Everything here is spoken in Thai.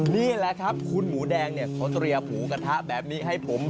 นี่แหละครับคุณหมูแดงเนี่ยเขาเตรียมหมูกระทะแบบนี้ให้ผม